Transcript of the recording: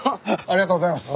ありがとうございます。